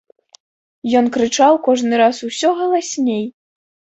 Ён крычаў кожны раз усё галасней.